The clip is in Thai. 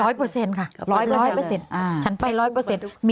ร้อยเปอร์เซ็นต์ค่ะร้อยเปอร์เซ็นต์ฉันไปร้อยเปอร์เซ็นต์